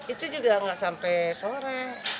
itu juga nggak sampai sore